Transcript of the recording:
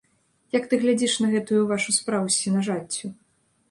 Як ты глядзіш на гэтую вашу справу з сенажаццю?